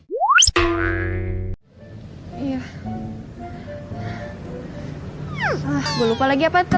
nanti ke sini lagi ya jangan lupa bawa hadiah dari nino